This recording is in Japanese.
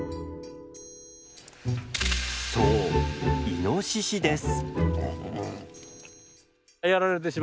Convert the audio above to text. そうイノシシです。